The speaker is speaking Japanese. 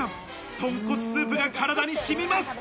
とんこつスープが体に染みます。